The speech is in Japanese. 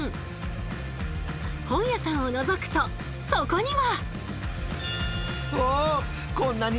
本屋さんをのぞくとそこには。